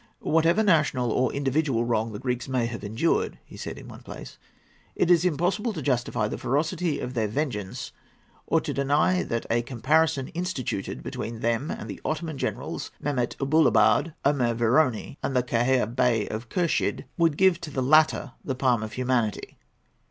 "Whatever national or individual wrong the Greeks may have endured," he said in one place, "it is impossible to justify the ferocity of their vengeance or to deny that a comparison instituted between them and the Ottoman generals, Mehemet Aboulaboud, Omer Vrioni, and the Kehaya Bey of Kurshid, would give to the latter the palm of humanity.